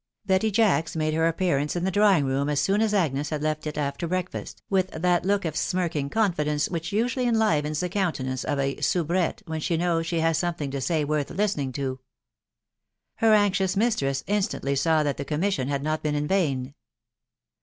Betty Jacks made her appearance in the drawing room as soon as Agnes had left it after breakfast, with that look of smirking confidence which usually enlivens the countenance of a soubrette when she knows she has somet\\\v\^ \» *vj \»<$t\& listening to. 224* THE WIDOW BARNABY. Her anxious mistress instantly saw that the commission hd not been in vain.